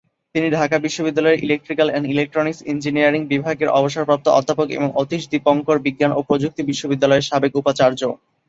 তিনি ঢাকা বিশ্ববিদ্যালয়ের electrical and electronic engineering বিভাগের অবসরপ্রাপ্ত অধ্যাপক এবং অতীশ দীপঙ্কর বিজ্ঞান ও প্রযুক্তি বিশ্ববিদ্যালয়ের সাবেক উপাচার্য।